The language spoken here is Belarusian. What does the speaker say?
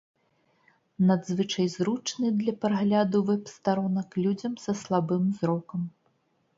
Надзвычай зручны для прагляду вэб-старонак людзям са слабым зрокам.